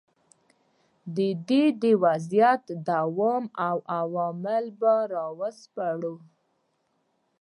د دې وضعیت دوام او عوامل به را وسپړو.